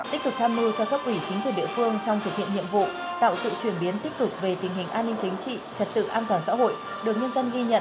tích cực tham mưu cho các quỷ chính quyền địa phương trong thực hiện nhiệm vụ tạo sự chuyển biến tích cực về tình hình an ninh chính trị trật tự an toàn xã hội được nhân dân ghi nhận và đánh giá cao